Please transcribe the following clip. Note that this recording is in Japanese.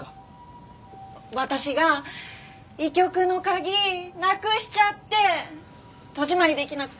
私が医局の鍵なくしちゃって戸締まり出来なくて。